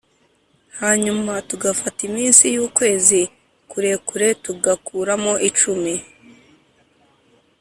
hanyuma tugafata iminsi y’ukwezi kurekure tugakuramo icumi